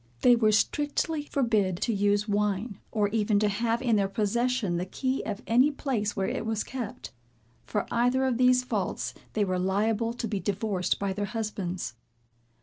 They were strictly forbid to use wine, or even to have in their possession the key of any place where it was kept. For either of these faults they were liable to be divorced by their husbands.